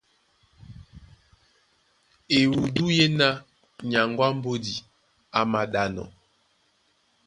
Ewudú yéná nyaŋgó á mbódi á māɗánɔ́,